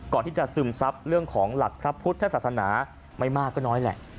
ซึมซับเรื่องของหลักพระพุทธศาสนาไม่มากก็น้อยแหละ